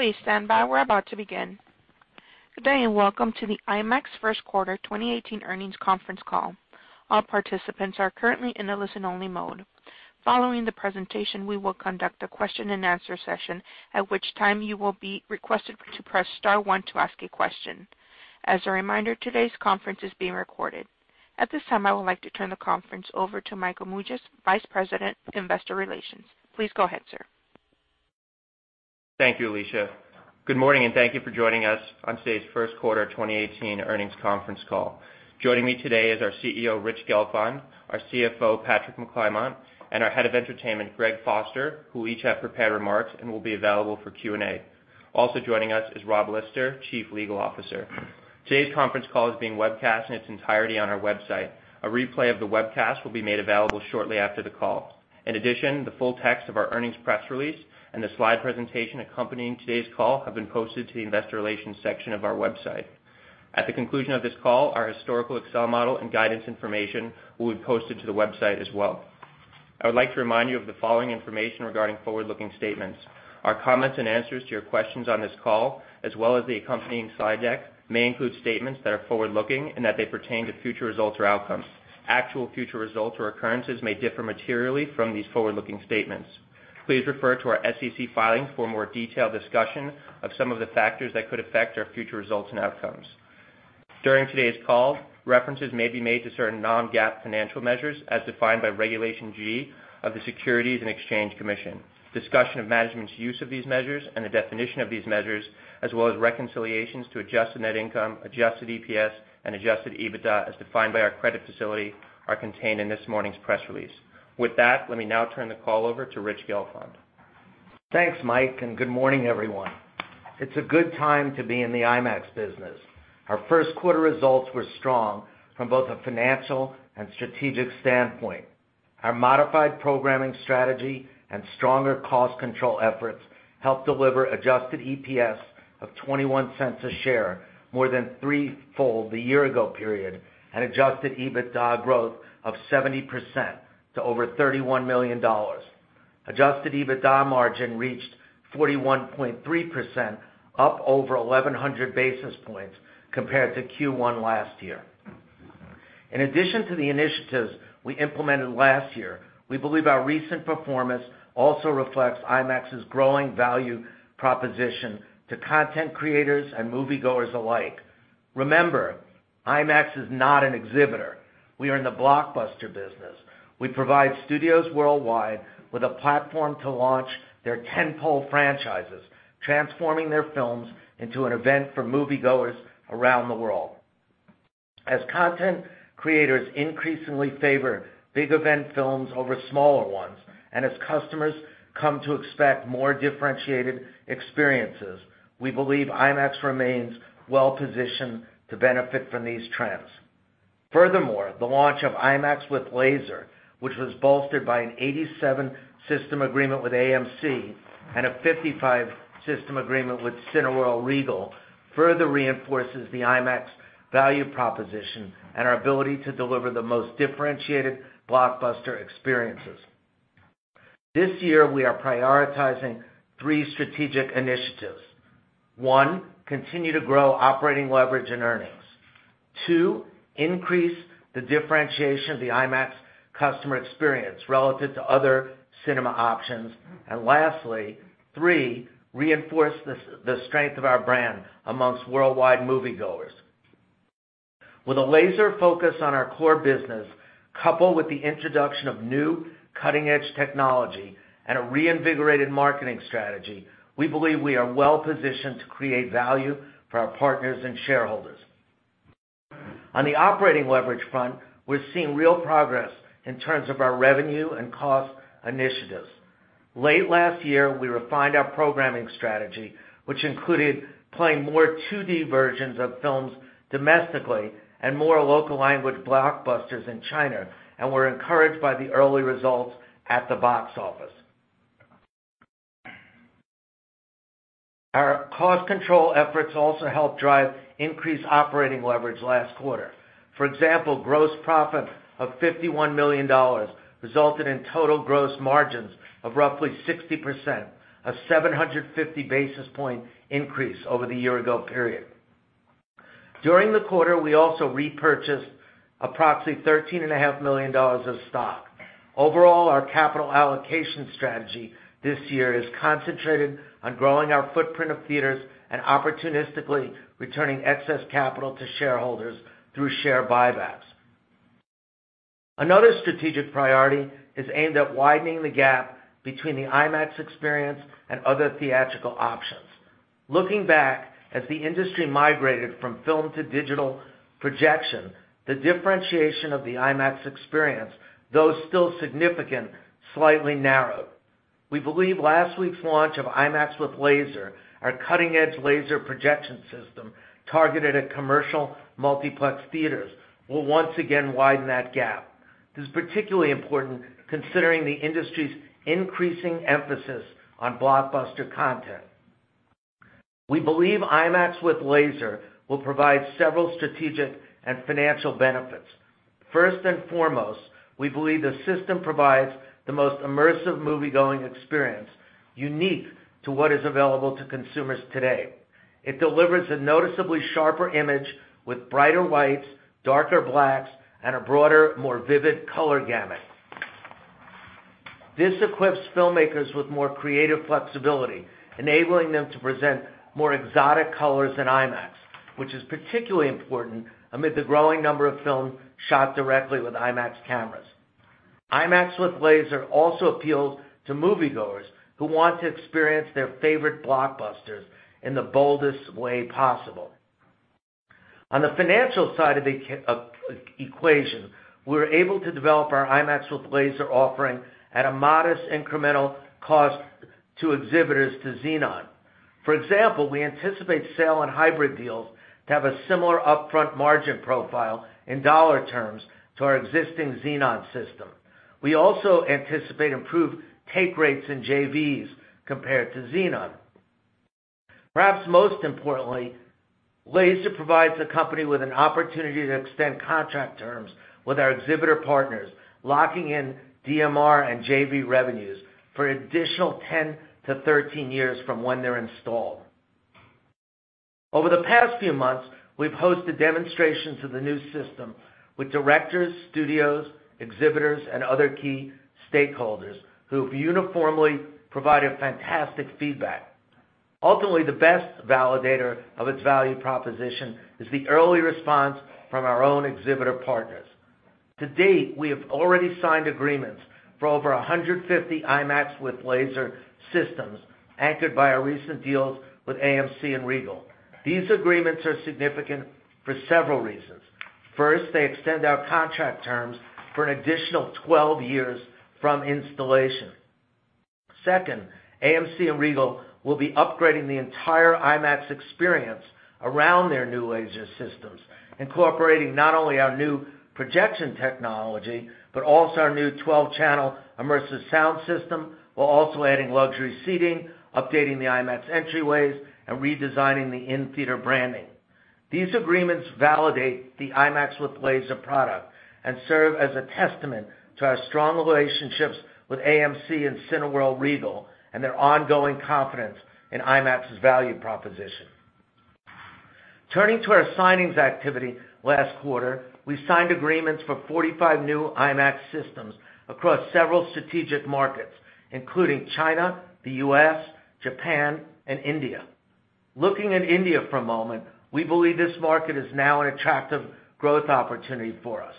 Please stand by. We're about to begin. Today, welcome to the IMAX First Quarter 2018 Earnings Conference Call. All participants are currently in a listen-only mode. Following the presentation, we will conduct a question-and-answer session, at which time you will be requested to press star one to ask a question. As a reminder, today's conference is being recorded. At this time, I would like to turn the conference over to Michael Mougias, Vice President, Investor Relations. Please go ahead, sir. Thank you, Alicia. Good morning and thank you for joining us on today's First Quarter 2018 Earnings Conference Call. Joining me today is our CEO, Rich Gelfond, our CFO, Patrick McClymont, and our Head of Entertainment, Greg Foster, who each have prepared remarks and will be available for Q&A. Also joining us is Rob Lister, Chief Legal Officer. Today's conference call is being webcast in its entirety on our website. A replay of the webcast will be made available shortly after the call. In addition, the full text of our earnings press release and the slide presentation accompanying today's call have been posted to the Investor Relations section of our website. At the conclusion of this call, our historical Excel model and guidance information will be posted to the website as well. I would like to remind you of the following information regarding forward-looking statements. Our comments and answers to your questions on this call, as well as the accompanying slide deck, may include statements that are forward-looking and that they pertain to future results or outcomes. Actual future results or occurrences may differ materially from these forward-looking statements. Please refer to our SEC filings for a more detailed discussion of some of the factors that could affect our future results and outcomes. During today's call, references may be made to certain non-GAAP financial measures as defined by Regulation G of the Securities and Exchange Commission. Discussion of management's use of these measures and the definition of these measures, as well as reconciliations to adjusted net income, adjusted EPS, and adjusted EBITDA as defined by our credit facility, are contained in this morning's press release. With that, let me now turn the call over to Richard Gelfond. Thanks, Mike, and good morning, everyone. It's a good time to be in the IMAX business. Our first quarter results were strong from both a financial and strategic standpoint. Our modified programming strategy and stronger cost control efforts helped deliver adjusted EPS of $0.21 a share, more than threefold the year-ago period, and adjusted EBITDA growth of 70% to over $31 million. Adjusted EBITDA margin reached 41.3%, up over 1,100 basis points compared to Q1 last year. In addition to the initiatives we implemented last year, we believe our recent performance also reflects IMAX's growing value proposition to content creators and moviegoers alike. Remember, IMAX is not an exhibitor. We are in the blockbuster business. We provide studios worldwide with a platform to launch their tentpole franchises, transforming their films into an event for moviegoers around the world. As content creators increasingly favor big event films over smaller ones, and as customers come to expect more differentiated experiences, we believe IMAX remains well-positioned to benefit from these trends. Furthermore, the launch of IMAX with Laser, which was bolstered by an 87-system agreement with AMC and a 55-system agreement with Cineworld Regal, further reinforces the IMAX value proposition and our ability to deliver the most differentiated blockbuster experiences. This year, we are prioritizing three strategic initiatives. One, continue to grow operating leverage and earnings. Two, increase the differentiation of the IMAX customer experience relative to other cinema options. And lastly, three, reinforce the strength of our brand amongst worldwide moviegoers. With a laser focus on our core business, coupled with the introduction of new cutting-edge technology and a reinvigorated marketing strategy, we believe we are well-positioned to create value for our partners and shareholders. On the operating leverage front, we're seeing real progress in terms of our revenue and cost initiatives. Late last year, we refined our programming strategy, which included playing more 2D versions of films domestically and more local-language blockbusters in China, and we're encouraged by the early results at the box office. Our cost control efforts also helped drive increased operating leverage last quarter. For example, gross profit of $51 million resulted in total gross margins of roughly 60%, a 750 basis points increase over the year-ago period. During the quarter, we also repurchased approximately $13.5 million of stock. Overall, our capital allocation strategy this year is concentrated on growing our footprint of theaters and opportunistically returning excess capital to shareholders through share buybacks. Another strategic priority is aimed at widening the gap between the IMAX experience and other theatrical options. Looking back, as the industry migrated from film to digital projection, the differentiation of the IMAX experience, though still significant, slightly narrowed. We believe last week's launch of IMAX with Laser, our cutting-edge laser projection system targeted at commercial multiplex theaters, will once again widen that gap. This is particularly important considering the industry's increasing emphasis on blockbuster content. We believe IMAX with Laser will provide several strategic and financial benefits. First and foremost, we believe the system provides the most immersive moviegoing experience unique to what is available to consumers today. It delivers a noticeably sharper image with brighter whites, darker blacks, and a broader, more vivid color gamut. This equips filmmakers with more creative flexibility, enabling them to present more exotic colors in IMAX, which is particularly important amid the growing number of films shot directly with IMAX cameras. IMAX with Laser also appeals to moviegoers who want to experience their favorite blockbusters in the boldest way possible. On the financial side of the equation, we were able to develop our IMAX with Laser offering at a modest incremental cost to exhibitors to Xenon. For example, we anticipate sale and hybrid deals to have a similar upfront margin profile in dollar terms to our existing Xenon system. We also anticipate improved take rates in JVs compared to Xenon. Perhaps most importantly, Laser provides a company with an opportunity to extend contract terms with our exhibitor partners, locking in DMR and JV revenues for an additional 10 to 13 years from when they're installed. Over the past few months, we've hosted demonstrations of the new system with directors, studios, exhibitors, and other key stakeholders who have uniformly provided fantastic feedback. Ultimately, the best validator of its value proposition is the early response from our own exhibitor partners. To date, we have already signed agreements for over 150 IMAX with Laser systems anchored by our recent deals with AMC and Regal. These agreements are significant for several reasons. First, they extend our contract terms for an additional 12 years from installation. Second, AMC and Regal will be upgrading the entire IMAX experience around their new laser systems, incorporating not only our new projection technology but also our new 12-channel immersive sound system, while also adding luxury seating, updating the IMAX entryways, and redesigning the in-theater branding. These agreements validate the IMAX with Laser product and serve as a testament to our strong relationships with AMC and Cineworld Regal and their ongoing confidence in IMAX's value proposition. Turning to our signings activity last quarter, we signed agreements for 45 new IMAX systems across several strategic markets, including China, the US, Japan, and India. Looking at India for a moment, we believe this market is now an attractive growth opportunity for us.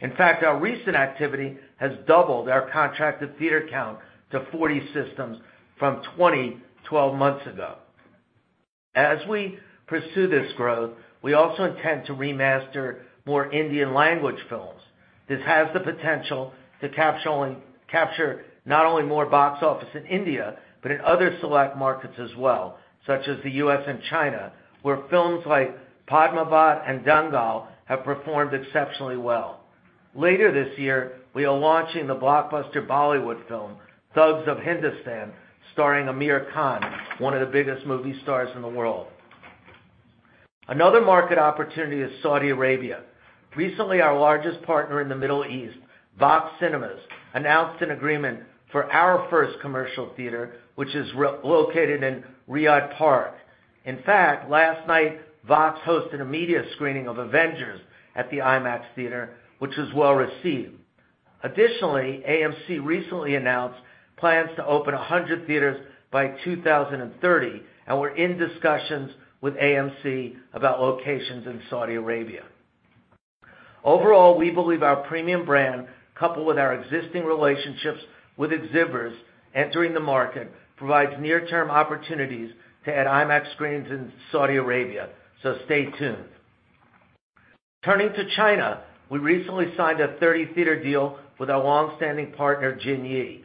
In fact, our recent activity has doubled our contracted theater count to 40 systems from 20 12 months ago. As we pursue this growth, we also intend to remaster more Indian-language films. This has the potential to capture not only more box office in India but in other select markets as well, such as the US and China, where films like Padmaavat and Dangal have performed exceptionally well. Later this year, we are launching the blockbuster Bollywood film Thugs of Hindostan starring Aamir Khan, one of the biggest movie stars in the world. Another market opportunity is Saudi Arabia. Recently, our largest partner in the Middle East, VOX Cinemas, announced an agreement for our first commercial theater, which is located in Riyadh Park. In fact, last night, VOX hosted a media screening of Avengers at the IMAX theater, which was well received. Additionally, AMC recently announced plans to open 100 theaters by 2030 and we're in discussions with AMC about locations in Saudi Arabia. Overall, we believe our premium brand, coupled with our existing relationships with exhibitors entering the market, provides near-term opportunities to add IMAX screens in Saudi Arabia, so stay tuned. Turning to China, we recently signed a 30-theater deal with our longstanding partner, Jinyi.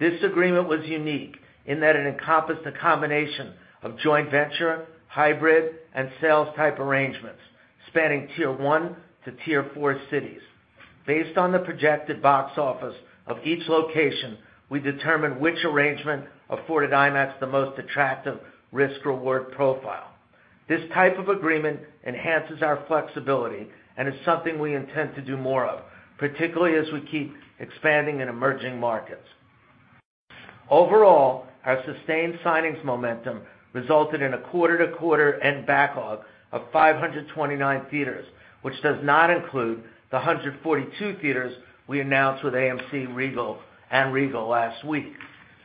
This agreement was unique in that it encompassed a combination of joint venture, hybrid, and sales-type arrangements spanning Tier 1 to Tier 4 cities. Based on the projected box office of each location, we determined which arrangement afforded IMAX the most attractive risk-reward profile. This type of agreement enhances our flexibility and is something we intend to do more of, particularly as we keep expanding in emerging markets. Overall, our sustained signings momentum resulted in a quarter-to-quarter end backlog of 529 theaters, which does not include the 142 theaters we announced with AMC, Regal, and Cineworld last week.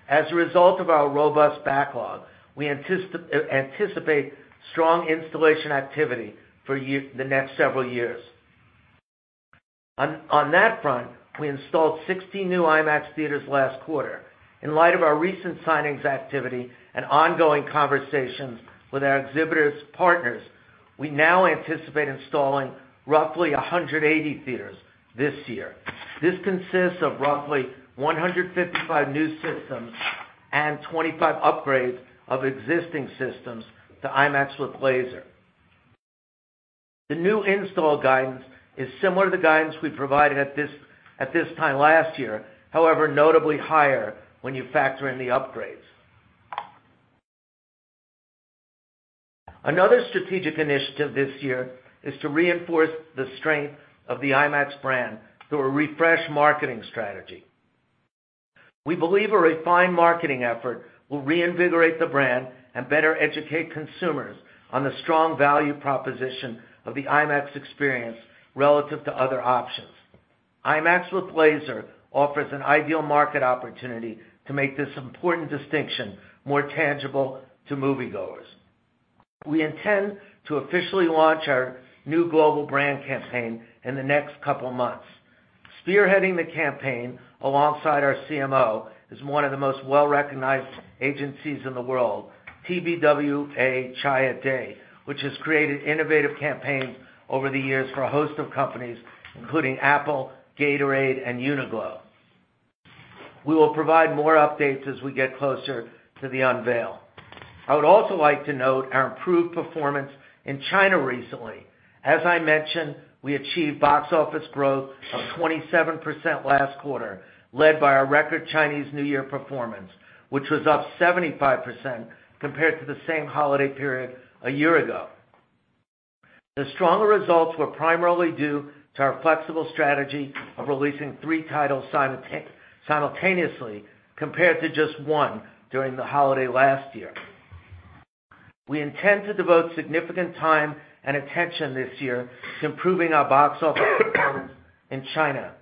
As a result of our robust backlog, we anticipate strong installation activity for the next several years. On that front, we installed 60 new IMAX theaters last quarter. In light of our recent signings activity and ongoing conversations with our exhibitors' partners, we now anticipate installing roughly 180 theaters this year. This consists of roughly 155 new systems and 25 upgrades of existing systems to IMAX with Laser. The new install guidance is similar to the guidance we provided at this time last year, however notably higher when you factor in the upgrades. Another strategic initiative this year is to reinforce the strength of the IMAX brand through a refreshed marketing strategy. We believe a refined marketing effort will reinvigorate the brand and better educate consumers on the strong value proposition of the IMAX experience relative to other options. IMAX with Laser offers an ideal market opportunity to make this important distinction more tangible to moviegoers. We intend to officially launch our new global brand campaign in the next couple of months. Spearheading the campaign alongside our CMO is one of the most well-recognized agencies in the world, TBWA\Chiat\Day, which has created innovative campaigns over the years for a host of companies, including Apple, Gatorade, and Uniqlo. We will provide more updates as we get closer to the unveil. I would also like to note our improved performance in China recently. As I mentioned, we achieved box office growth of 27% last quarter, led by our record Chinese New Year performance, which was up 75% compared to the same holiday period a year ago. The stronger results were primarily due to our flexible strategy of releasing three titles simultaneously compared to just one during the holiday last year. We intend to devote significant time and attention this year to improving our box office performance in China.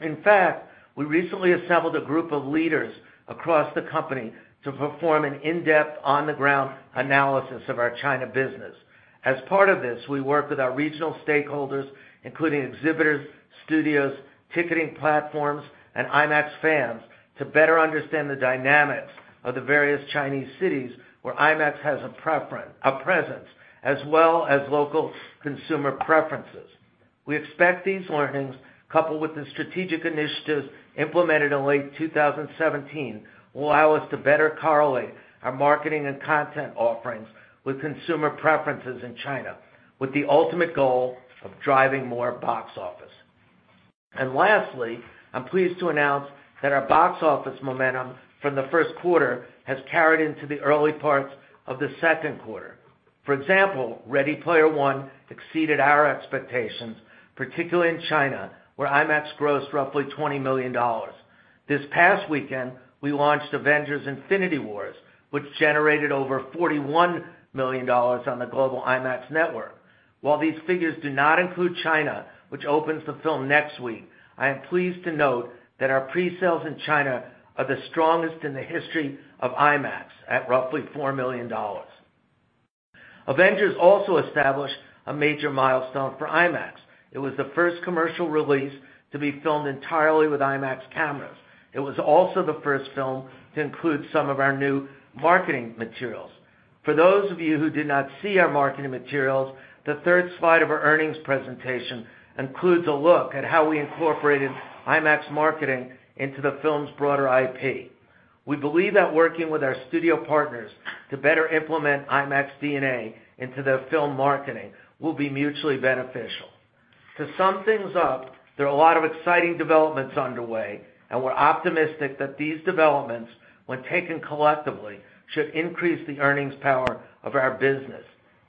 In fact, we recently assembled a group of leaders across the company to perform an in-depth on-the-ground analysis of our China business. As part of this, we worked with our regional stakeholders, including exhibitors, studios, ticketing platforms, and IMAX fans, to better understand the dynamics of the various Chinese cities where IMAX has a presence, as well as local consumer preferences. We expect these learnings, coupled with the strategic initiatives implemented in late 2017, will allow us to better correlate our marketing and content offerings with consumer preferences in China, with the ultimate goal of driving more box office. And lastly, I'm pleased to announce that our box office momentum from the first quarter has carried into the early parts of the second quarter. For example, Ready Player One exceeded our expectations, particularly in China, where IMAX grossed roughly $20 million. This past weekend, we launched Avengers: Infinity War, which generated over $41 million on the global IMAX network. While these figures do not include China, which opens the film next week, I am pleased to note that our pre-sales in China are the strongest in the history of IMAX at roughly $4 million. Avengers also established a major milestone for IMAX. It was the first commercial release to be filmed entirely with IMAX cameras. It was also the first film to include some of our new marketing materials. For those of you who did not see our marketing materials, the third slide of our earnings presentation includes a look at how we incorporated IMAX marketing into the film's broader IP. We believe that working with our studio partners to better implement IMAX DNA into the film marketing will be mutually beneficial. To sum things up, there are a lot of exciting developments underway, and we're optimistic that these developments, when taken collectively, should increase the earnings power of our business.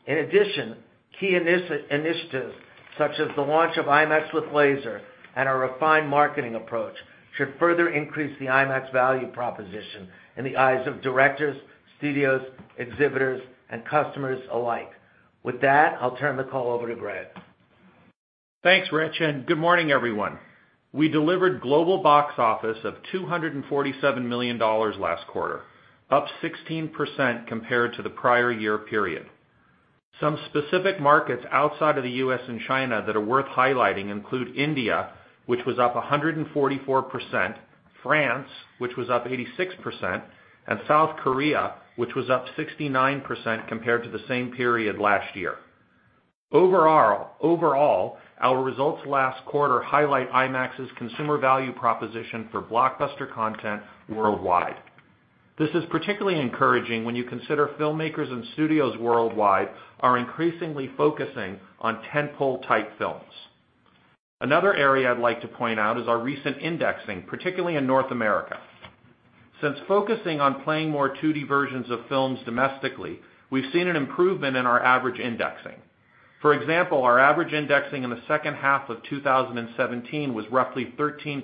In addition, key initiatives such as the launch of IMAX with Laser and our refined marketing approach should further increase the IMAX value proposition in the eyes of directors, studios, exhibitors, and customers alike. With that, I'll turn the call over to Greg. Thanks, Richard, and good morning, everyone. We delivered global box office of $247 million last quarter, up 16% compared to the prior year period. Some specific markets outside of the U.S. and China that are worth highlighting include India, which was up 144%, France, which was up 86%, and South Korea, which was up 69% compared to the same period last year. Overall, our results last quarter highlight IMAX's consumer value proposition for blockbuster content worldwide. This is particularly encouraging when you consider filmmakers and studios worldwide are increasingly focusing on tentpole-type films. Another area I'd like to point out is our recent indexing, particularly in North America. Since focusing on playing more 2D versions of films domestically, we've seen an improvement in our average indexing. For example, our average indexing in the second half of 2017 was roughly 13%,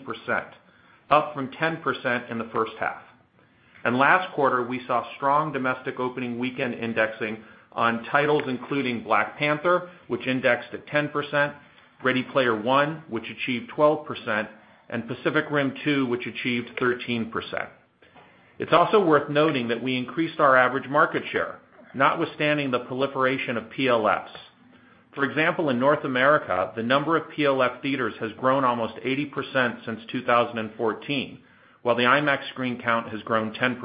up from 10% in the first half. And last quarter, we saw strong domestic opening weekend indexing on titles including Black Panther, which indexed at 10%, Ready Player One, which achieved 12%, and Pacific Rim 2, which achieved 13%. It's also worth noting that we increased our average market share, notwithstanding the proliferation of PLFs. For example, in North America, the number of PLF theaters has grown almost 80% since 2014, while the IMAX screen count has grown 10%.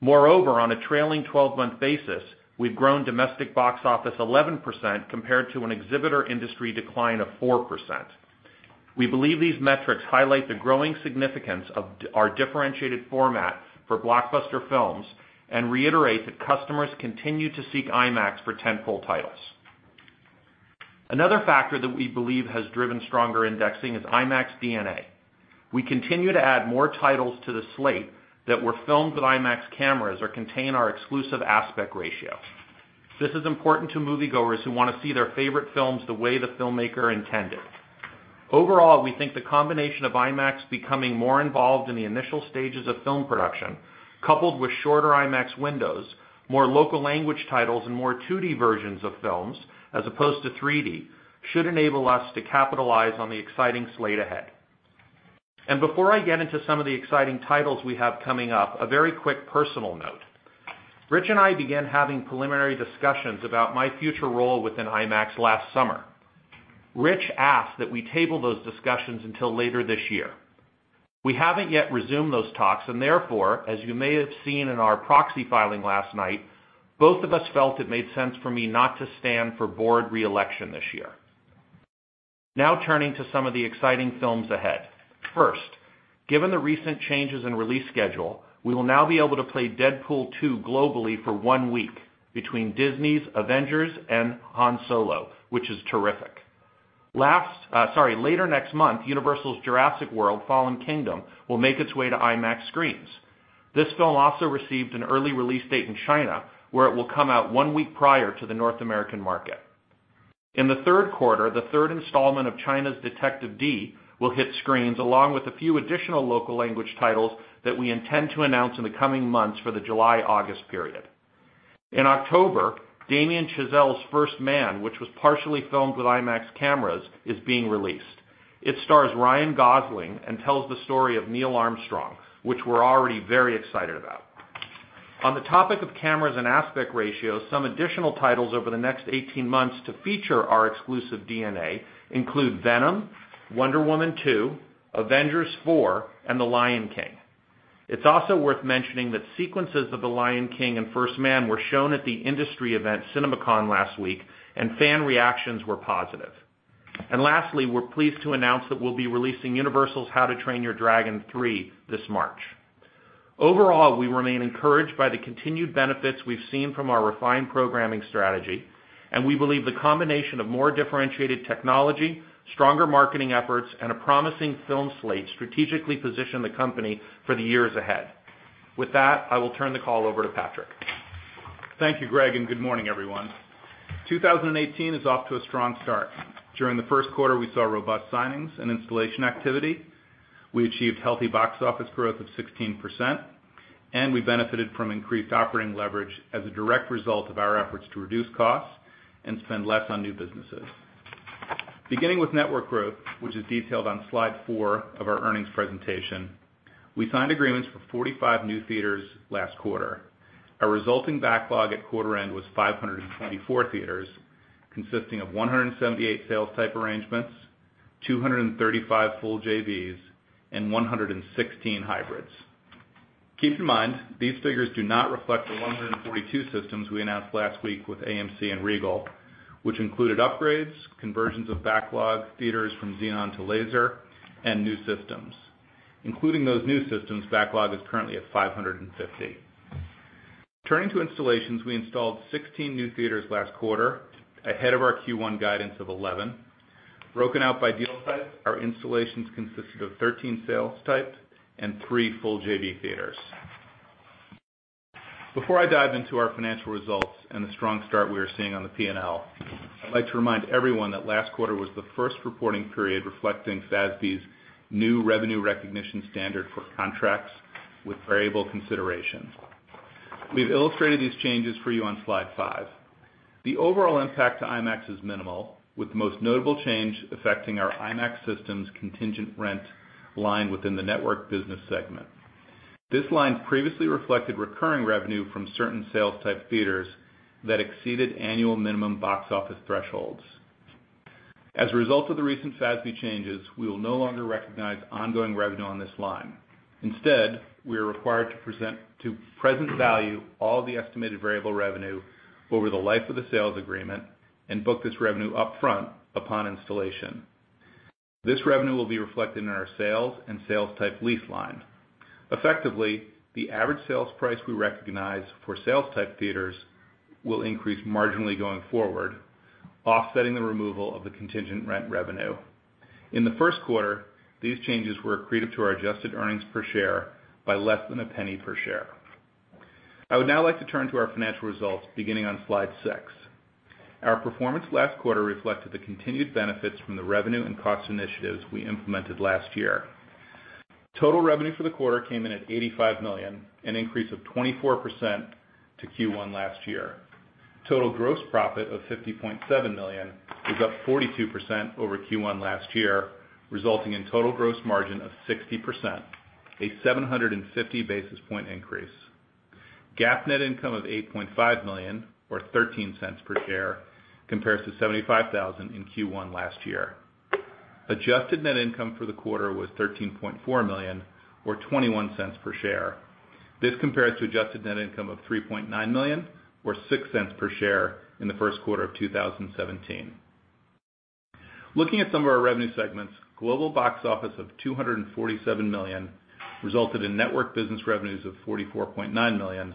Moreover, on a trailing 12-month basis, we've grown domestic box office 11% compared to an exhibitor industry decline of 4%. We believe these metrics highlight the growing significance of our differentiated format for blockbuster films and reiterate that customers continue to seek IMAX for tentpole titles. Another factor that we believe has driven stronger indexing is IMAX DNA. We continue to add more titles to the slate that were filmed with IMAX cameras or contain our exclusive aspect ratio. This is important to moviegoers who want to see their favorite films the way the filmmaker intended. Overall, we think the combination of IMAX becoming more involved in the initial stages of film production, coupled with shorter IMAX windows, more local language titles, and more 2D versions of films as opposed to 3D, should enable us to capitalize on the exciting slate ahead. Before I get into some of the exciting titles we have coming up, a very quick personal note. Rich and I began having preliminary discussions about my future role within IMAX last summer. Rich asked that we table those discussions until later this year. We haven't yet resumed those talks, and therefore, as you may have seen in our proxy filing last night, both of us felt it made sense for me not to stand for board reelection this year. Now turning to some of the exciting films ahead. First, given the recent changes in release schedule, we will now be able to play Deadpool 2 globally for one week between Disney's Avengers and Han Solo, which is terrific. Later next month, Universal's Jurassic World: Fallen Kingdom will make its way to IMAX screens. This film also received an early release date in China, where it will come out one week prior to the North American market. In the third quarter, the third installment of China's Detective Dee will hit screens along with a few additional local language titles that we intend to announce in the coming months for the July-August period. In October, Damien Chazelle's First Man, which was partially filmed with IMAX cameras, is being released. It stars Ryan Gosling and tells the story of Neil Armstrong, which we're already very excited about. On the topic of cameras and aspect ratios, some additional titles over the next 18 months to feature our exclusive DNA include Venom, Wonder Woman 2, Avengers 4, and The Lion King. It's also worth mentioning that sequences of The Lion King and First Man were shown at the industry event CinemaCon last week, and fan reactions were positive. Lastly, we're pleased to announce that we'll be releasing Universal's How to Train Your Dragon 3 this March. Overall, we remain encouraged by the continued benefits we've seen from our refined programming strategy, and we believe the combination of more differentiated technology, stronger marketing efforts, and a promising film slate strategically positions the company for the years ahead. With that, I will turn the call over to Patrick. Thank you, Greg, and good morning, everyone. 2018 is off to a strong start. During the first quarter, we saw robust signings and installation activity. We achieved healthy box office growth of 16%, and we benefited from increased operating leverage as a direct result of our efforts to reduce costs and spend less on new businesses. Beginning with network growth, which is detailed on slide four of our earnings presentation, we signed agreements for 45 new theaters last quarter. Our resulting backlog at quarter-end was 524 theaters, consisting of 178 sales-type arrangements, 235 full JVs, and 116 hybrids. Keep in mind, these figures do not reflect the 142 systems we announced last week with AMC and Regal, which included upgrades, conversions of backlog theaters from Xenon to laser, and new systems. Including those new systems, backlog is currently at 550. Turning to installations, we installed 16 new theaters last quarter, ahead of our Q1 guidance of 11. Broken out by deal type, our installations consisted of 13 sales-type and 3 full JV theaters. Before I dive into our financial results and the strong start we are seeing on the P&L, I'd like to remind everyone that last quarter was the first reporting period reflecting FASB's new revenue recognition standard for contracts with variable consideration. We've illustrated these changes for you on slide five. The overall impact to IMAX is minimal, with the most notable change affecting our IMAX system's contingent rent line within the network business segment. This line previously reflected recurring revenue from certain sales-type theaters that exceeded annual minimum box office thresholds. As a result of the recent FASB changes, we will no longer recognize ongoing revenue on this line. Instead, we are required to present the present value all the estimated variable revenue over the life of the sales agreement and book this revenue upfront upon installation. This revenue will be reflected in our sales and sales-type lease line. Effectively, the average sales price we recognize for sales-type theaters will increase marginally going forward, offsetting the removal of the contingent rent revenue. In the first quarter, these changes were accretive to our adjusted earnings per share by less than $0.01 per share. I would now like to turn to our financial results, beginning on slide six. Our performance last quarter reflected the continued benefits from the revenue and cost initiatives we implemented last year. Total revenue for the quarter came in at $85 million, an increase of 24% to Q1 last year. Total gross profit of $50.7 million was up 42% over Q1 last year, resulting in total gross margin of 60%, a 750 basis point increase. GAAP net income of $8.5 million, or $0.13 per share, compares to $75,000 in Q1 last year. Adjusted net income for the quarter was $13.4 million, or $0.21 per share. This compares to adjusted net income of $3.9 million, or $0.06 per share in the first quarter of 2017. Looking at some of our revenue segments, global box office of $247 million resulted in network business revenues of $44.9 million,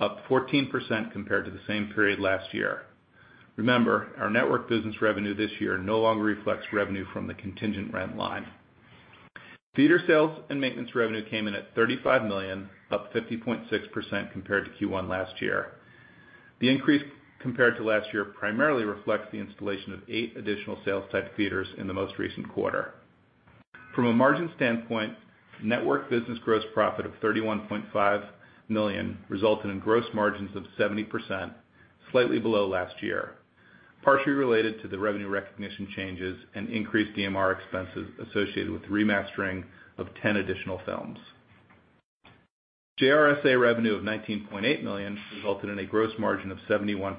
up 14% compared to the same period last year. Remember, our network business revenue this year no longer reflects revenue from the contingent rent line. Theater sales and maintenance revenue came in at $35 million, up 50.6% compared to Q1 last year. The increase compared to last year primarily reflects the installation of eight additional sales-type theaters in the most recent quarter. From a margin standpoint, network business gross profit of $31.5 million resulted in gross margins of 70%, slightly below last year, partially related to the revenue recognition changes and increased DMR expenses associated with remastering of 10 additional films. JRSA revenue of $19.8 million resulted in a gross margin of 71%,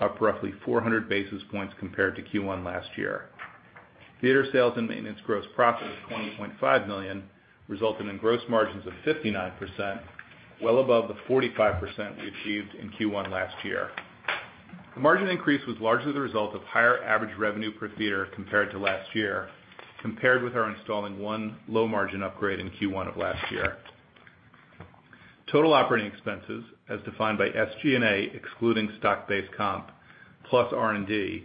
up roughly 400 basis points compared to Q1 last year. Theater sales and maintenance gross profit of $20.5 million resulted in gross margins of 59%, well above the 45% we achieved in Q1 last year. The margin increase was largely the result of higher average revenue per theater compared to last year, compared with our installing one low-margin upgrade in Q1 of last year. Total operating expenses, as defined by SG&A excluding stock-based comp plus R&D,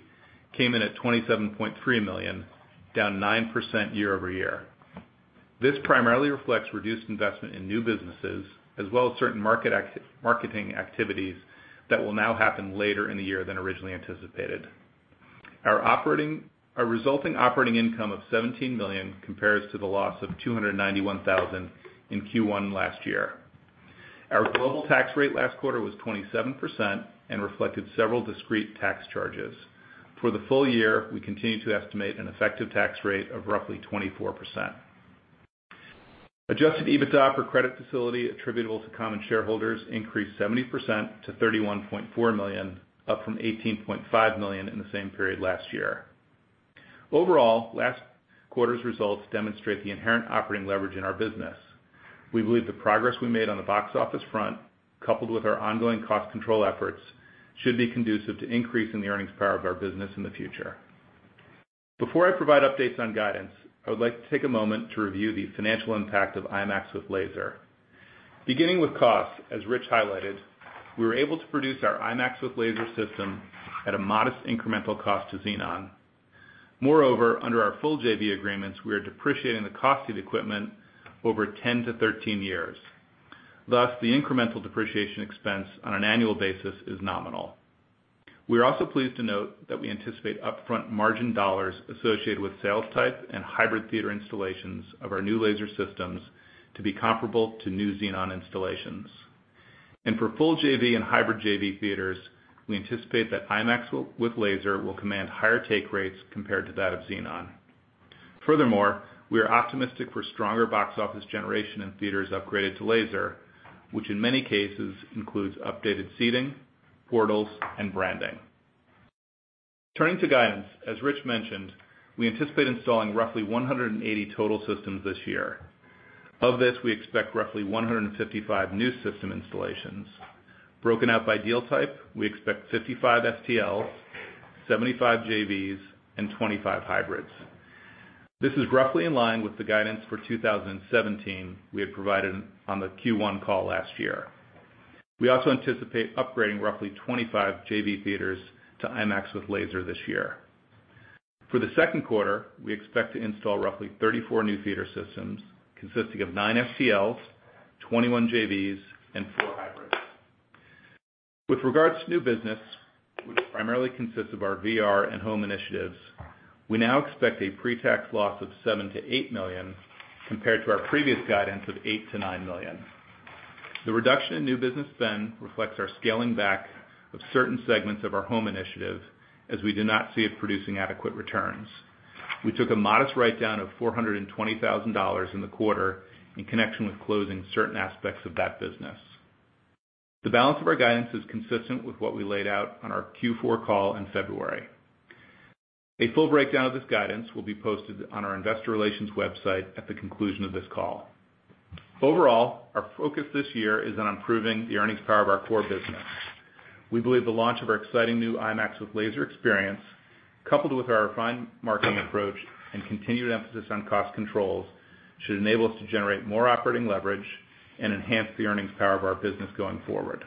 came in at $27.3 million, down 9% year over year. This primarily reflects reduced investment in new businesses, as well as certain marketing activities that will now happen later in the year than originally anticipated. Our resulting operating income of $17 million compares to the loss of $291,000 in Q1 last year. Our global tax rate last quarter was 27% and reflected several discrete tax charges. For the full year, we continue to estimate an effective tax rate of roughly 24%. Adjusted EBITDA per credit facility attributable to common shareholders increased 70% to $31.4 million, up from $18.5 million in the same period last year. Overall, last quarter's results demonstrate the inherent operating leverage in our business. We believe the progress we made on the box office front, coupled with our ongoing cost control efforts, should be conducive to increasing the earnings power of our business in the future. Before I provide updates on guidance, I would like to take a moment to review the financial impact of IMAX with Laser. Beginning with costs, as Rich highlighted, we were able to produce our IMAX with Laser system at a modest incremental cost to Xenon. Moreover, under our full JV agreements, we are depreciating the cost of the equipment over 10-13 years. Thus, the incremental depreciation expense on an annual basis is nominal. We are also pleased to note that we anticipate upfront margin dollars associated with sales-type and hybrid theater installations of our new Laser systems to be comparable to new Xenon installations, and for full JV and hybrid JV theaters, we anticipate that IMAX with Laser will command higher take rates compared to that of Xenon. Furthermore, we are optimistic for stronger box office generation in theaters upgraded to Laser, which in many cases includes updated seating, portals, and branding. Turning to guidance, as Rich mentioned, we anticipate installing roughly 180 total systems this year. Of this, we expect roughly 155 new system installations. Broken out by deal type, we expect 55 STLs, 75 JVs, and 25 hybrids. This is roughly in line with the guidance for 2017 we had provided on the Q1 call last year. We also anticipate upgrading roughly 25 JV theaters to IMAX with Laser this year. For the second quarter, we expect to install roughly 34 new theater systems consisting of nine STLs, 21 JVs, and four hybrids. With regards to new business, which primarily consists of our VR and home initiatives, we now expect a pre-tax loss of seven to eight million compared to our previous guidance of eight to nine million. The reduction in new business spend reflects our scaling back of certain segments of our home initiative as we do not see it producing adequate returns. We took a modest write-down of $420,000 in the quarter in connection with closing certain aspects of that business. The balance of our guidance is consistent with what we laid out on our Q4 call in February. A full breakdown of this guidance will be posted on our investor relations website at the conclusion of this call. Overall, our focus this year is on improving the earnings power of our core business. We believe the launch of our exciting new IMAX with Laser experience, coupled with our refined marketing approach and continued emphasis on cost controls, should enable us to generate more operating leverage and enhance the earnings power of our business going forward.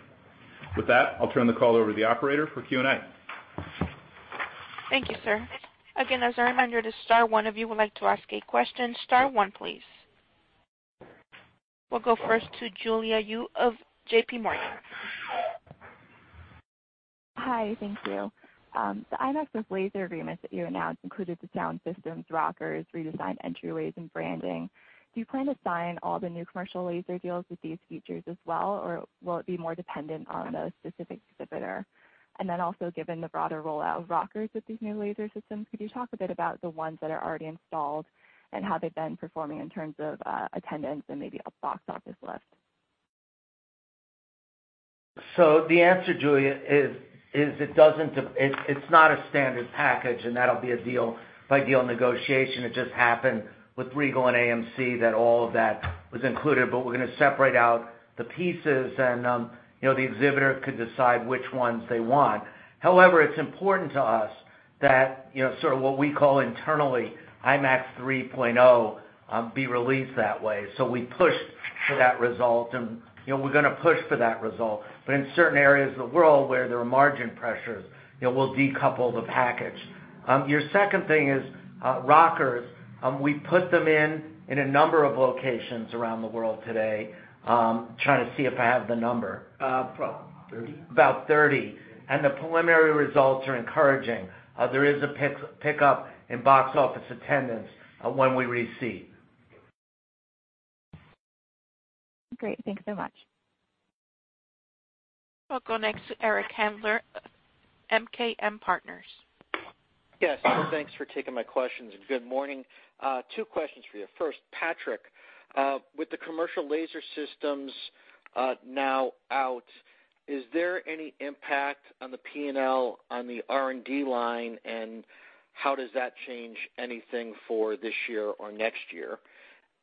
With that, I'll turn the call over to the operator for Q&A. Thank you, sir. Again, as a reminder, to start, one of you would like to ask a question. Star one, please. We'll go first to Julia Yu of J.P. Morgan. Hi, thank you. The IMAX with Laser agreements that you announced included the sound systems, rockers, redesigned entryways, and branding. Do you plan to sign all the new commercial Laser deals with these features as well, or will it be more dependent on the specific exhibitor? And then also, given the broader rollout of rockers with these new Laser systems, could you talk a bit about the ones that are already installed and how they've been performing in terms of attendance and maybe a box office lift? So the answer, Julia, is it's not a standard package, and that'll be a deal-by-deal negotiation. It just happened with Regal and AMC that all of that was included, but we're going to separate out the pieces, and the exhibitor could decide which ones they want. However, it's important to us that sort of what we call internally IMAX 3.0 be released that way. So we pushed for that result, and we're going to push for that result. But in certain areas of the world where there are margin pressures, we'll decouple the package. Your second thing is rockers. We put them in a number of locations around the world today, trying to see if I have the number. About 30. About 30 and the preliminary results are encouraging. There is a pickup in box office attendance when we receive. Great. Thanks so much. I'll go next to Eric Handler, MKM Partners. Yes. Thanks for taking my questions. Good morning. Two questions for you. First, Patrick, with the commercial Laser systems now out, is there any impact on the P&L on the R&D line, and how does that change anything for this year or next year?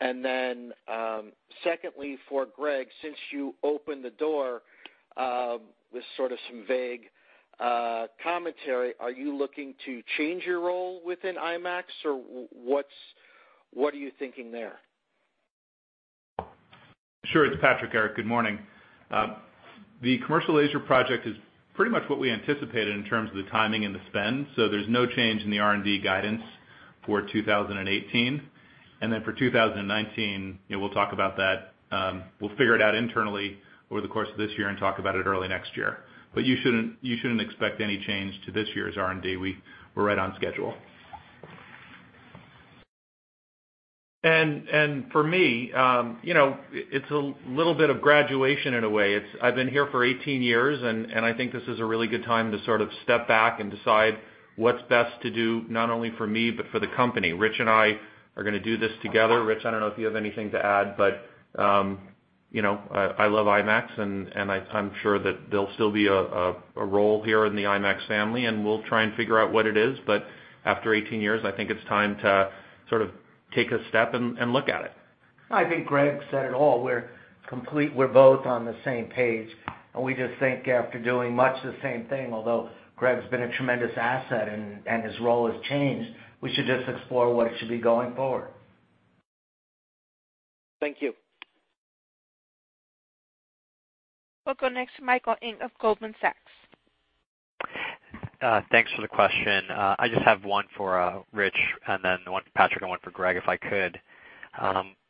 And then secondly, for Greg, since you opened the door with sort of some vague commentary, are you looking to change your role within IMAX, or what are you thinking there? Sure. It's Patrick, Eric. Good morning. The commercial laser project is pretty much what we anticipated in terms of the timing and the spend. So there's no change in the R&D guidance for 2018, and then for 2019, we'll talk about that. We'll figure it out internally over the course of this year and talk about it early next year, but you shouldn't expect any change to this year's R&D. We're right on schedule. And for me, it's a little bit of graduation in a way. I've been here for 18 years, and I think this is a really good time to sort of step back and decide what's best to do not only for me, but for the company. Rich and I are going to do this together. Rich, I don't know if you have anything to add, but I love IMAX, and I'm sure that there'll be a role here in the IMAX family, and we'll try and figure out what it is. But after 18 years, I think it's time to sort of take a step and look at it. I think Greg said it all. We're both on the same page, and we just think after doing much the same thing, although Greg's been a tremendous asset and his role has changed, we should just explore what it should be going forward. Thank you. We'll go next to Mike Ng of Goldman Sachs. Thanks for the question. I just have one for Rich and then one for Patrick and one for Greg, if I could.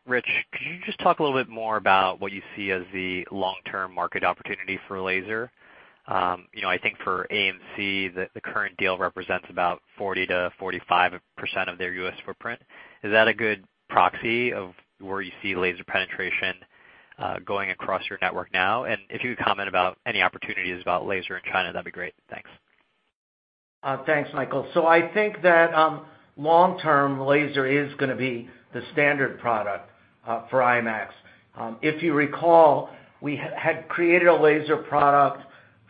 Rich, could you just talk a little bit more about what you see as the long-term market opportunity for laser? I think for AMC, the current deal represents about 40%-45% of their U.S. footprint. Is that a good proxy of where you see laser penetration going across your network now? And if you could comment about any opportunities about laser in China, that'd be great. Thanks. Thanks, Mike. So I think that long-term, Laser is going to be the standard product for IMAX. If you recall, we had created a Laser product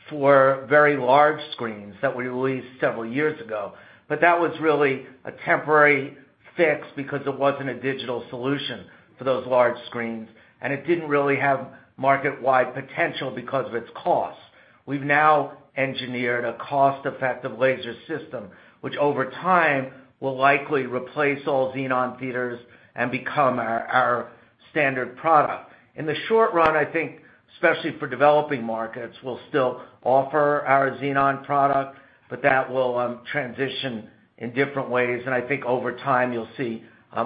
for very large screens that we released several years ago, but that was really a temporary fix because it wasn't a digital solution for those large screens, and it didn't really have market-wide potential because of its cost. We've now engineered a cost-effective Laser system, which over time will likely replace all Xenon theaters and become our standard product. In the short run, I think, especially for developing markets, we'll still offer our Xenon product, but that will transition in different ways. And I think over time, you'll see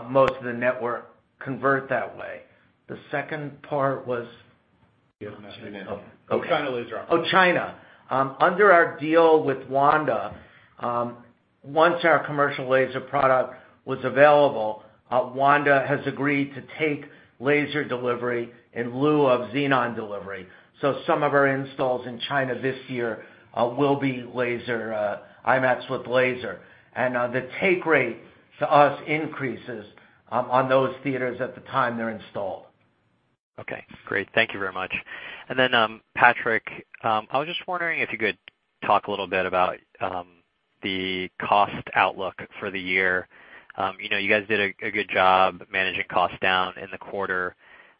most of the network convert that way. The second part was. Yeah. Oh, China. Oh, China. Under our deal with Wanda, once our commercial Laser product was available, Wanda has agreed to take Laser delivery in lieu of Xenon delivery. So some of our installs in China this year will be IMAX with Laser. And the take rate to us increases on those theaters at the time they're installed. Okay. Great. Thank you very much. And then, Patrick, I was just wondering if you could talk a little bit about the cost outlook for the year. You guys did a good job managing costs down in the quarter.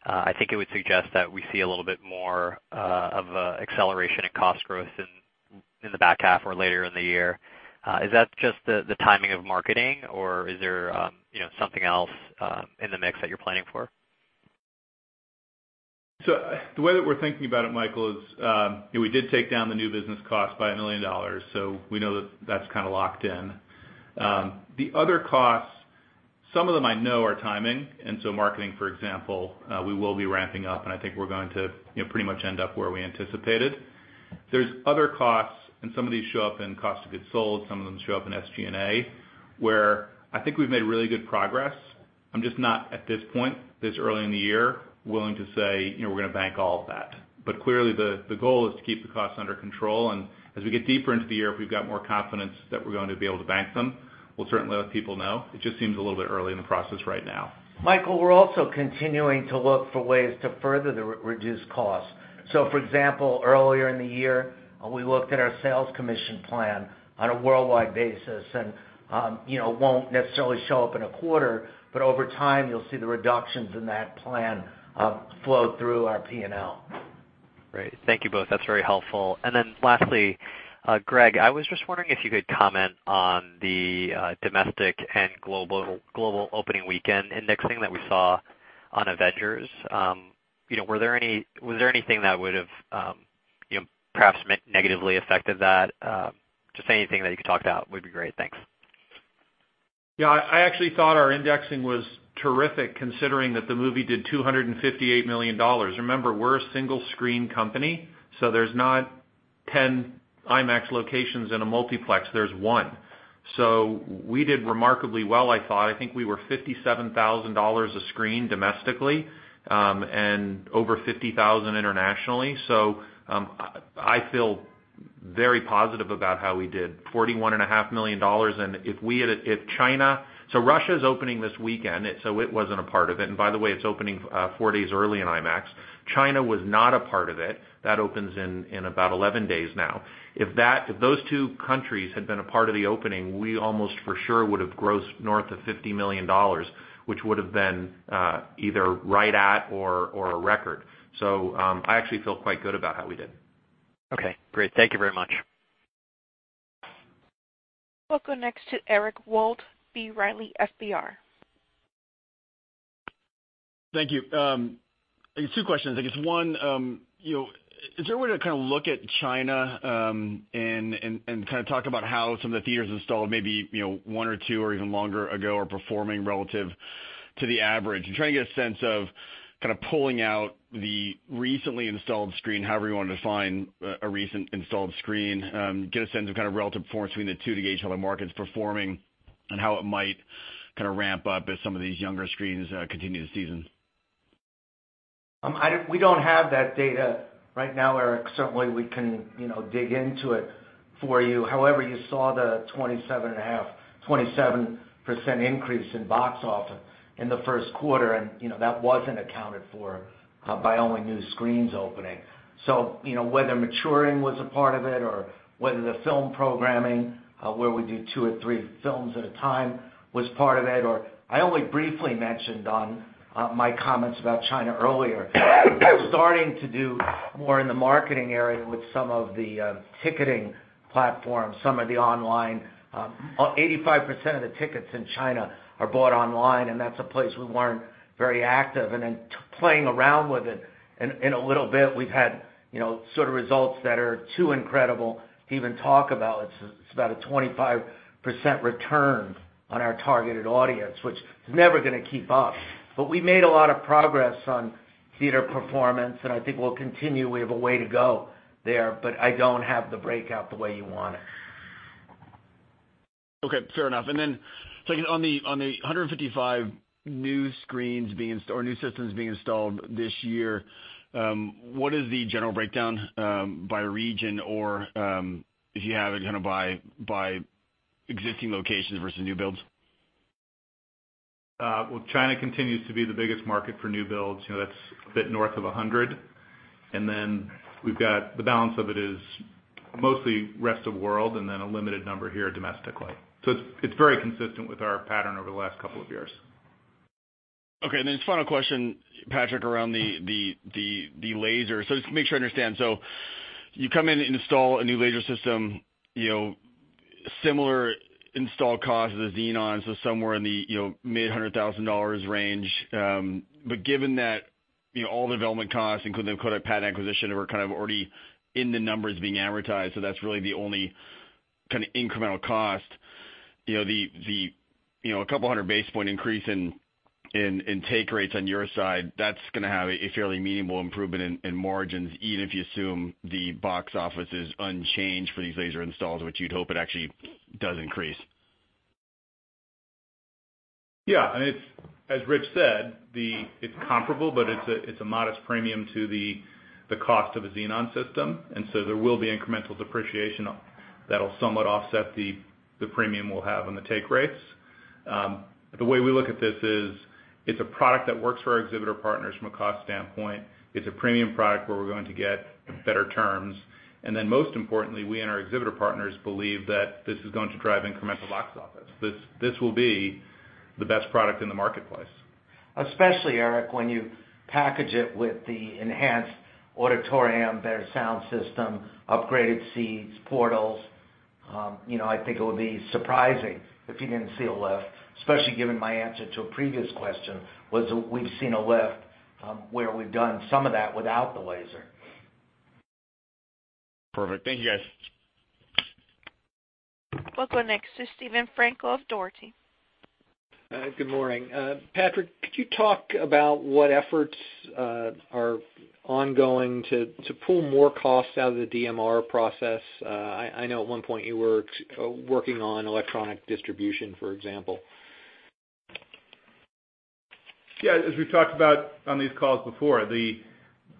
I think it would suggest that we see a little bit more of an acceleration in cost growth in the back half or later in the year. Is that just the timing of marketing, or is there something else in the mix that you're planning for? So the way that we're thinking about it, Mike, is we did take down the new business cost by $1 million, so we know that that's kind of locked in. The other costs, some of them I know are timing. And so marketing, for example, we will be ramping up, and I think we're going to pretty much end up where we anticipated. There's other costs, and some of these show up in cost of goods sold. Some of them show up in SG&A, where I think we've made really good progress. I'm just not, at this point, this early in the year, willing to say we're going to bank all of that. But clearly, the goal is to keep the costs under control. As we get deeper into the year, if we've got more confidence that we're going to be able to bank them, we'll certainly let people know. It just seems a little bit early in the process right now. Mike, we're also continuing to look for ways to further reduce costs. So for example, earlier in the year, we looked at our sales commission plan on a worldwide basis and won't necessarily show up in a quarter, but over time, you'll see the reductions in that plan flow through our P&L. Great. Thank you both. That's very helpful. And then lastly, Greg, I was just wondering if you could comment on the domestic and global opening weekend indexing that we saw on Avengers. Was there anything that would have perhaps negatively affected that? Just anything that you could talk about would be great. Thanks. Yeah. I actually thought our indexing was terrific considering that the movie did $258 million. Remember, we're a single-screen company, so there's not 10 IMAX locations in a multiplex. There's one. So we did remarkably well, I thought. I think we were $57,000 a screen domestically and over 50,000 internationally. So I feel very positive about how we did. $41.5 million. And if China, so Russia is opening this weekend, so it wasn't a part of it. And by the way, it's opening four days early in IMAX. China was not a part of it. That opens in about 11 days now. If those two countries had been a part of the opening, we almost for sure would have grossed north of $50 million, which would have been either right at or a record. So I actually feel quite good about how we did. Okay. Great. Thank you very much. We'll go next to Eric Wald, B. Riley FBR. Thank you. I guess two questions. I guess one, is there a way to kind of look at China and kind of talk about how some of the theaters installed maybe one or two or even longer ago are performing relative to the average? I'm trying to get a sense of kind of pulling out the recently installed screen, however you want to define a recent installed screen, get a sense of kind of relative performance between the two to gauge how the market's performing and how it might kind of ramp up as some of these younger screens continue the season. We don't have that data right now, Eric. Certainly, we can dig into it for you. However, you saw the 27.5-27% increase in box office in the first quarter, and that wasn't accounted for by only new screens opening. So whether maturing was a part of it or whether the film programming, where we do two or three films at a time, was part of it, or I only briefly mentioned on my comments about China earlier, starting to do more in the marketing area with some of the ticketing platforms, some of the online, 85% of the tickets in China are bought online, and that's a place we weren't very active. And then playing around with it, in a little bit, we've had sort of results that are too incredible to even talk about. It's about a 25% return on our targeted audience, which is never going to keep up. But we made a lot of progress on theater performance, and I think we'll continue. We have a way to go there, but I don't have the breakout the way you want it. Okay. Fair enough. And then on the 155 new screens being installed or new systems being installed this year, what is the general breakdown by region or if you have it kind of by existing locations versus new builds? Well, China continues to be the biggest market for new builds. That's a bit north of 100. And then the balance of it is mostly rest of world and then a limited number here domestically. So it's very consistent with our pattern over the last couple of years. Okay. And then final question, Patrick, around the laser. So just to make sure I understand. So you come in and install a new laser system, similar install cost as Xenon, so somewhere in the mid-$100,000 range. But given that all the development costs, including the Kodak patent acquisition, were kind of already in the numbers being amortized, so that's really the only kind of incremental cost. A couple hundred basis points increase in take rates on your side, that's going to have a fairly meaningful improvement in margins, even if you assume the box office is unchanged for these Laser installs, which you'd hope it actually does increase. Yeah. And as Rich said, it's comparable, but it's a modest premium to the cost of a Xenon system. And so there will be incremental depreciation that'll somewhat offset the premium we'll have on the take rates. The way we look at this is it's a product that works for our exhibitor partners from a cost standpoint. It's a premium product where we're going to get better terms. And then most importantly, we and our exhibitor partners believe that this is going to drive incremental box office. This will be the best product in the marketplace. Especially, Eric, when you package it with the enhanced auditorium, better sound system, upgraded seats, portals, I think it would be surprising if you didn't see a lift, especially given my answer to a previous question was we've seen a lift where we've done some of that without the laser. Perfect. Thank you, guys. We'll go next to Steven Frankel of Dougherty & Company. Good morning. Patrick, could you talk about what efforts are ongoing to pull more costs out of the DMR process? I know at one point you were working on electronic distribution, for example. Yeah. As we've talked about on these calls before, the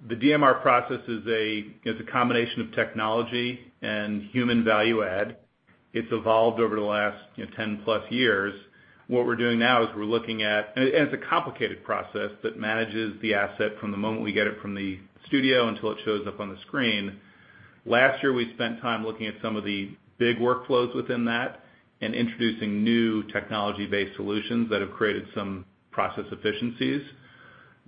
DMR process is a combination of technology and human value add. It's evolved over the last 10-plus years. What we're doing now is we're looking at, and it's a complicated process that manages the asset from the moment we get it from the studio until it shows up on the screen. Last year, we spent time looking at some of the big workflows within that and introducing new technology-based solutions that have created some process efficiencies.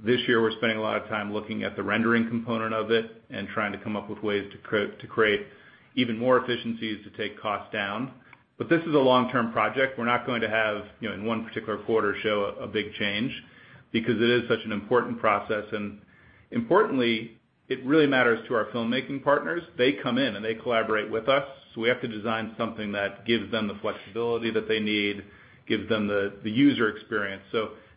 This year, we're spending a lot of time looking at the rendering component of it and trying to come up with ways to create even more efficiencies to take costs down. But this is a long-term project. We're not going to have, in one particular quarter, show a big change because it is such an important process. Importantly, it really matters to our filmmaking partners. They come in and they collaborate with us. We have to design something that gives them the flexibility that they need, gives them the user experience.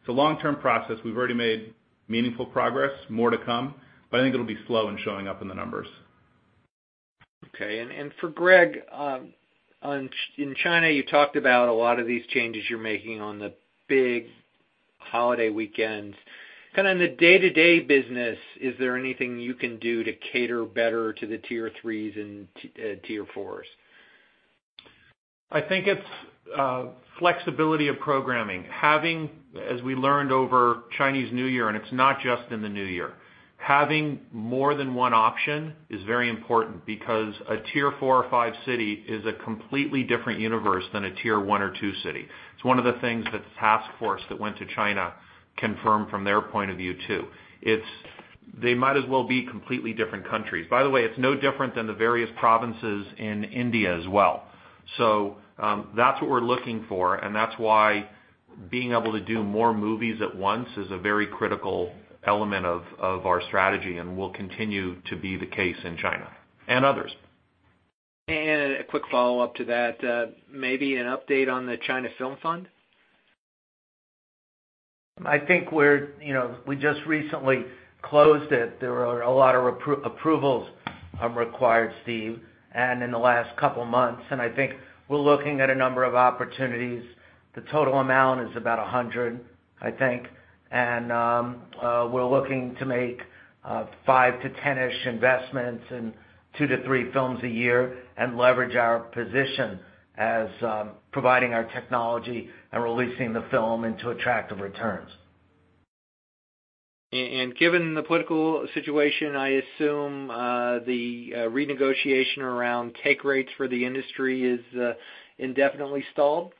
It's a long-term process. We've already made meaningful progress, more to come, but I think it'll be slow in showing up in the numbers. Okay. And for Greg, in China, you talked about a lot of these changes you're making on the big holiday weekends. Kind of in the day-to-day business, is there anything you can do to cater better to the tier threes and tier fours? I think it's flexibility of programming. As we learned over Chinese New Year, and it's not just in the new year, having more than one option is very important because a tier four or five city is a completely different universe than a tier one or two city. It's one of the things that the task force that went to China confirmed from their point of view too. They might as well be completely different countries. By the way, it's no different than the various provinces in India as well. So that's what we're looking for, and that's why being able to do more movies at once is a very critical element of our strategy and will continue to be the case in China and others. A quick follow-up to that, maybe an update on the China Film Fund? I think we just recently closed it. There were a lot of approvals required, Steve, and in the last couple of months. And I think we're looking at a number of opportunities. The total amount is about 100, I think. And we're looking to make five to 10-ish investments and two to three films a year and leverage our position as providing our technology and releasing the film into attractive returns. Given the political situation, I assume the renegotiation around take rates for the industry is indefinitely stalled?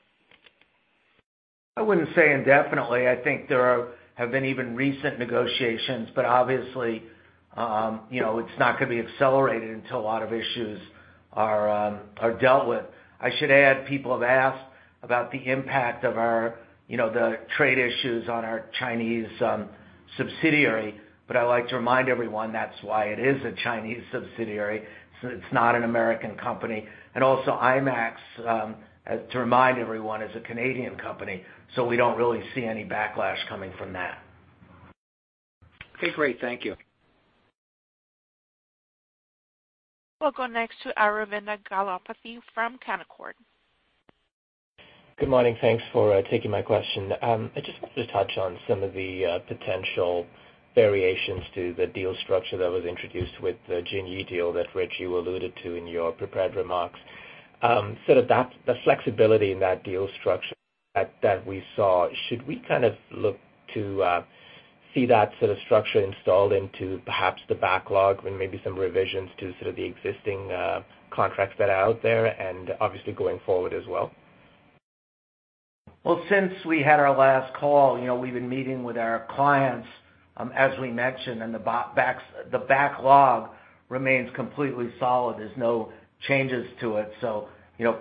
I wouldn't say indefinitely. I think there have been even recent negotiations, but obviously, it's not going to be accelerated until a lot of issues are dealt with. I should add people have asked about the impact of the trade issues on our Chinese subsidiary, but I'd like to remind everyone that's why it is a Chinese subsidiary. It's not an American company. And also, IMAX, to remind everyone, is a Canadian company, so we don't really see any backlash coming from that. Okay. Great. Thank you. We'll go next to Aravinda Galappatthige from Canaccord. Good morning. Thanks for taking my question. I just wanted to touch on some of the potential variations to the deal structure that was introduced with the Jin Yi deal that Rich, you alluded to in your prepared remarks. So the flexibility in that deal structure that we saw, should we kind of look to see that sort of structure installed into perhaps the backlog and maybe some revisions to sort of the existing contracts that are out there and obviously going forward as well? Since we had our last call, we've been meeting with our clients, as we mentioned, and the backlog remains completely solid. There's no changes to it. So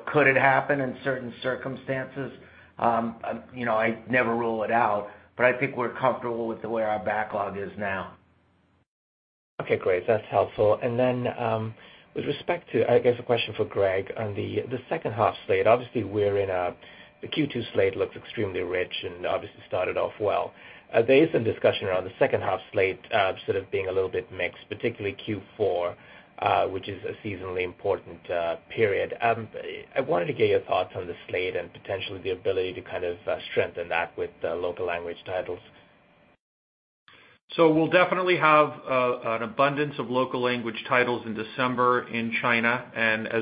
could it happen in certain circumstances? I'd never rule it out, but I think we're comfortable with the way our backlog is now. Okay. Great. That's helpful. And then with respect to, I guess, a question for Greg on the second half slate, obviously, we're in a Q2 slate that looks extremely rich and obviously started off well. There is some discussion around the second half slate sort of being a little bit mixed, particularly Q4, which is a seasonally important period. I wanted to get your thoughts on the slate and potentially the ability to kind of strengthen that with local language titles. We'll definitely have an abundance of local language titles in December in China.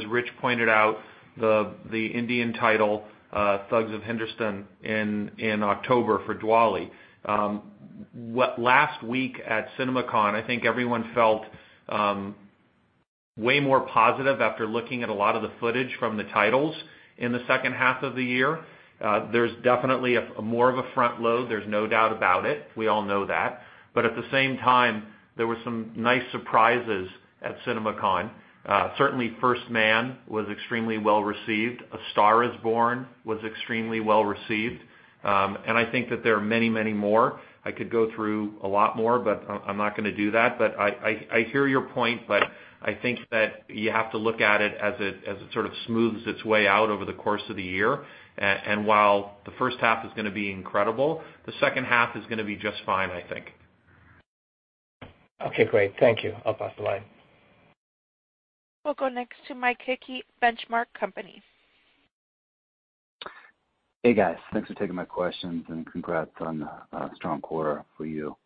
Rich pointed out the Indian title, Thugs of Hindostan, in October for Diwali. Last week at CinemaCon, I think everyone felt way more positive after looking at a lot of the footage from the titles in the second half of the year. There's definitely more of a front load. There's no doubt about it. We all know that. But at the same time, there were some nice surprises at CinemaCon. Certainly, First Man was extremely well received. A Star Is Born was extremely well received. And I think that there are many, many more. I could go through a lot more, but I'm not going to do that. But I hear your point, but I think that you have to look at it as it sort of smooths its way out over the course of the year. And while the first half is going to be incredible, the second half is going to be just fine, I think. Okay. Great. Thank you. I'll pass the mic. We'll go next to Mike Hickey, Benchmark Company. Hey, guys. Thanks for taking my questions and congrats on the strong quarter for you.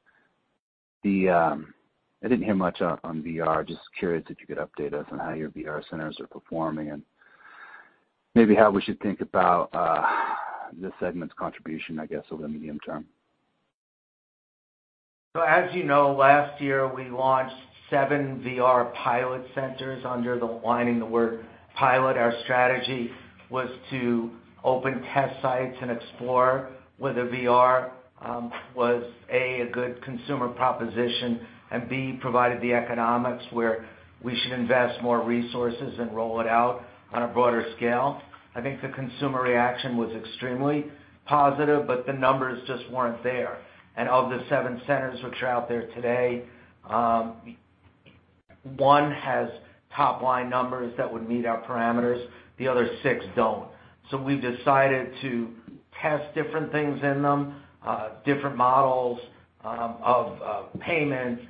I didn't hear much on VR. Just curious if you could update us on how your VR centers are performing and maybe how we should think about this segment's contribution, I guess, over the medium term. As you know, last year, we launched seven VR pilot centers, underlining the word pilot. Our strategy was to open test sites and explore whether VR was A, a good consumer proposition and B, provided the economics where we should invest more resources and roll it out on a broader scale. I think the consumer reaction was extremely positive, but the numbers just weren't there. Of the seven centers which are out there today, one has top-line numbers that would meet our parameters. The other six don't. We've decided to test different things in them, different models of payment.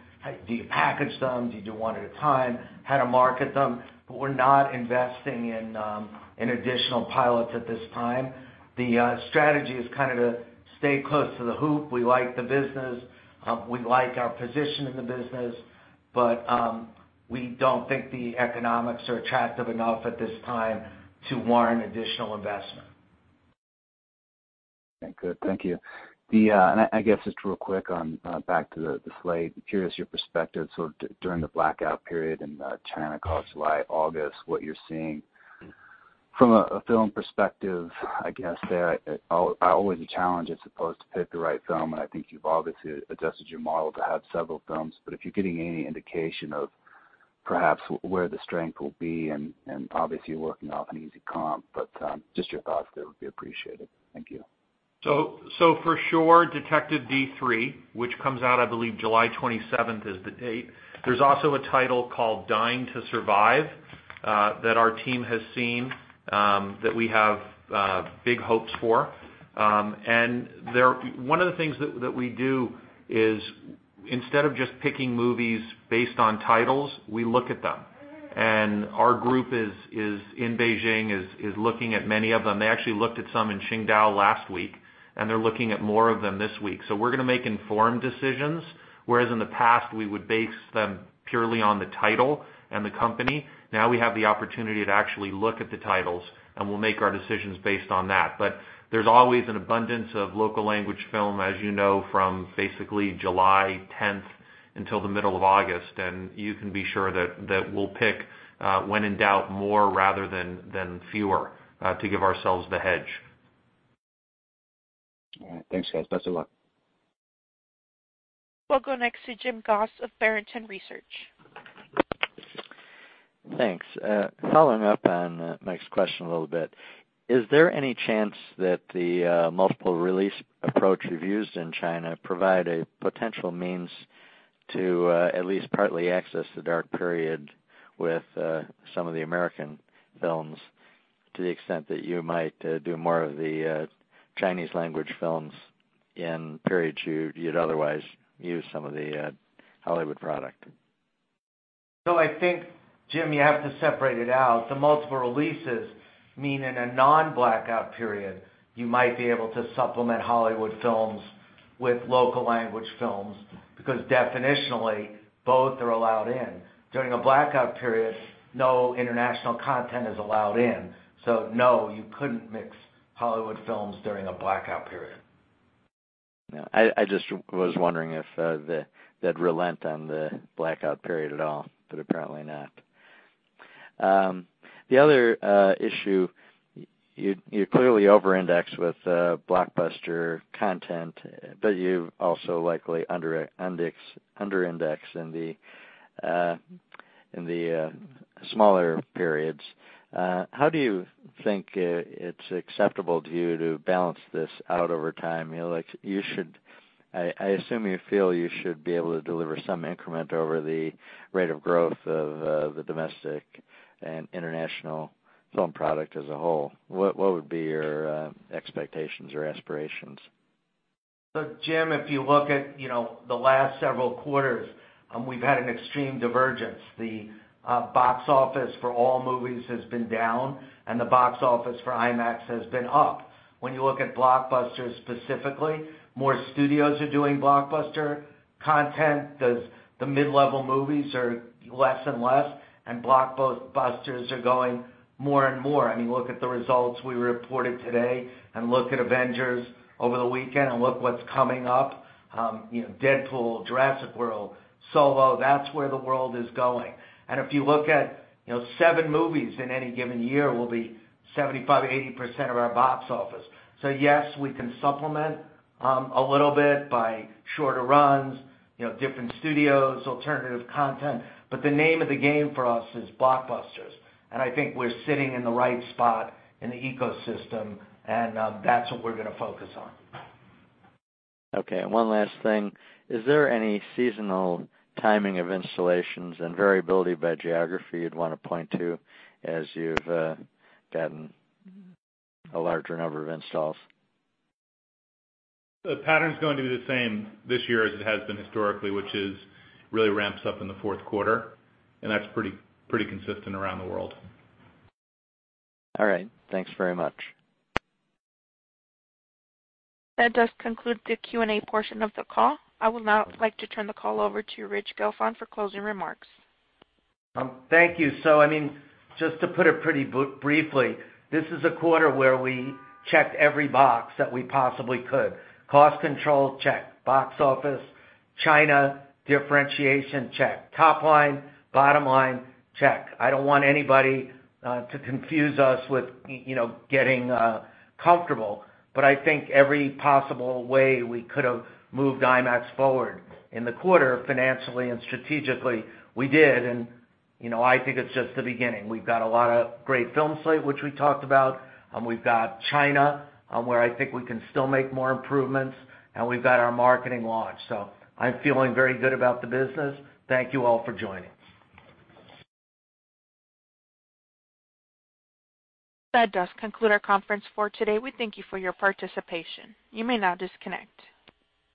Do you package them? Do you do one at a time? How to market them? But we're not investing in additional pilots at this time. The strategy is kind of to stay close to the hoop. We like the business. We like our position in the business, but we don't think the economics are attractive enough at this time to warrant additional investment. Okay. Good. Thank you. And I guess just real quick, back to the slate, curious your perspective. So during the blackout period in China, July, August, what you're seeing from a film perspective, I guess, there are always a challenge as opposed to pick the right film. And I think you've obviously adjusted your model to have several films. But if you're getting any indication of perhaps where the strength will be, and obviously, you're working off an easy comp, but just your thoughts there would be appreciated. Thank you. So, for sure, Detective Dee 3, which comes out, I believe, July 27th is the date. There's also a title called Dying to Survive that our team has seen that we have big hopes for. And one of the things that we do is instead of just picking movies based on titles, we look at them. And our group in Beijing is looking at many of them. They actually looked at some in Qingdao last week, and they're looking at more of them this week. So we're going to make informed decisions, whereas in the past, we would base them purely on the title and the company. Now we have the opportunity to actually look at the titles, and we'll make our decisions based on that. But there's always an abundance of local language film, as you know, from basically July 10th until the middle of August. You can be sure that we'll pick when in doubt more rather than fewer to give ourselves the hedge. All right. Thanks, guys. Best of luck. We'll go next to James Goss of Barrington Research. Thanks. Following up on Mike's question a little bit, is there any chance that the multiple release approach we're using in China provide a potential means to at least partly access the dark period with some of the American films to the extent that you might do more of the Chinese language films in periods you'd otherwise use some of the Hollywood product? I think, James, you have to separate it out. The multiple releases mean in a non-blackout period, you might be able to supplement Hollywood films with local language films because definitionally, both are allowed in. During a blackout period, no international content is allowed in. No, you couldn't mix Hollywood films during a blackout period. I just was wondering if they'd relent on the blackout period at all, but apparently not. The other issue, you're clearly over-indexed with blockbuster content, but you also likely under-index in the smaller periods. How do you think it's acceptable to you to balance this out over time? I assume you feel you should be able to deliver some increment over the rate of growth of the domestic and international film product as a whole. What would be your expectations or aspirations? So James, if you look at the last several quarters, we've had an extreme divergence. The box office for all movies has been down, and the box office for IMAX has been up. When you look at blockbusters specifically, more studios are doing blockbuster content. The mid-level movies are less and less, and blockbusters are going more and more. I mean, look at the results we reported today and look at Avengers over the weekend and look what's coming up. Deadpool, Jurassic World, Solo, that's where the world is going. And if you look at seven movies in any given year, we'll be 75%-80% of our box office. So yes, we can supplement a little bit by shorter runs, different studios, alternative content, but the name of the game for us is blockbusters. I think we're sitting in the right spot in the ecosystem, and that's what we're going to focus on. Okay. And one last thing. Is there any seasonal timing of installations and variability by geography you'd want to point to as you've gotten a larger number of installs? The pattern's going to be the same this year as it has been historically, which really ramps up in the fourth quarter, and that's pretty consistent around the world. All right. Thanks very much. That does conclude the Q&A portion of the call. I would now like to turn the call over to Rich Gelfond for closing remarks. Thank you. So I mean, just to put it pretty briefly, this is a quarter where we checked every box that we possibly could. Cost control check. Box office. China differentiation check. Top line, bottom line check. I don't want anybody to confuse us with getting comfortable, but I think every possible way we could have moved IMAX forward in the quarter financially and strategically, we did, and I think it's just the beginning. We've got a lot of great film slate, which we talked about. We've got China where I think we can still make more improvements, and we've got our marketing launch, so I'm feeling very good about the business. Thank you all for joining. That does conclude our conference for today. We thank you for your participation. You may now disconnect.